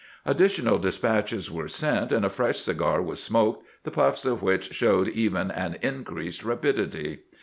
Additional despatches were sent, and a fresh cigar was smoked, the puffs of which showed even an increased rapidity.